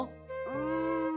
うん。